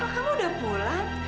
kamu udah pulang